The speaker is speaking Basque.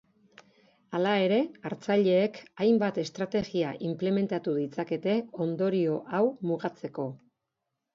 Hala ere, hartzaileek hainbat estrategia inplementatu ditzakete ondorio hau mugatzeko.